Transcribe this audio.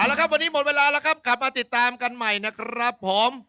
แล้วครับวันนี้หมดเวลาแล้วครับกลับมาติดตามกันใหม่นะครับผม